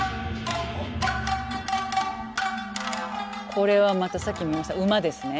これはまたさっき見ました馬ですね。